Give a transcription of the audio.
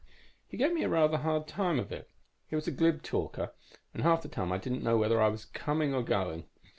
He gave me a rather hard time of it. He was a glib talker and half the time I didn't know whether I was coming or going.